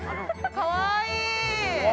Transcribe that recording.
◆かわいい！